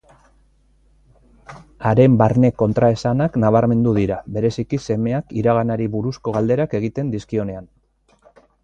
Haren barne kontraesanak nabarmenduko dira, bereziki semeak iraganari buruzko galderak egiten dizkionean.